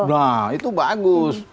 nah itu bagus